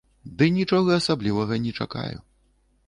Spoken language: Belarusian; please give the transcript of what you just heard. Ды нічога асаблівага не чакаю.